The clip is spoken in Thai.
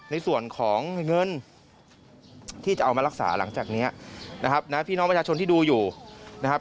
ในส่วนของเงินที่จะเอามารักษาหลังจากนี้นะครับนะพี่น้องประชาชนที่ดูอยู่นะครับ